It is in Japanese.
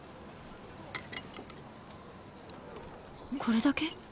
これだけ？